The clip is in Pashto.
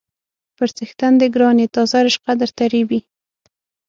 _پر څښتن دې ګران يې، تازه رشقه درته رېبي.